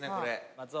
松尾。